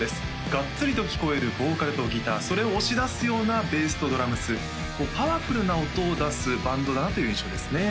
がっつりと聴こえるボーカルとギターそれを押し出すようなベースとドラムスパワフルな音を出すバンドだなという印象ですね